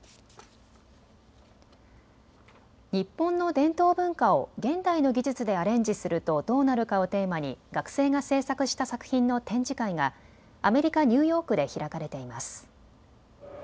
日本の伝統文化を現代の技術でアレンジするとどうなるかをテーマに学生が制作した作品の展示会がアメリカ・ニューヨークで開かれています。